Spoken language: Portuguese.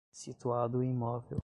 situado o imóvel